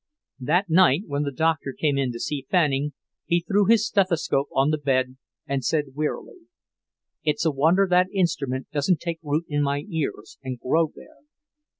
That night when the Doctor came in to see Fanning, he threw his stethoscope on the bed and said wearily, "It's a wonder that instrument doesn't take root in my ears and grow there."